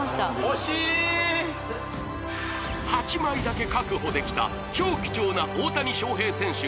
欲しい８枚だけ確保できた超貴重な大谷翔平選手